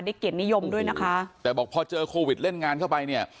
เกียรตินิยมด้วยนะคะแต่บอกพอเจอโควิดเล่นงานเข้าไปเนี่ย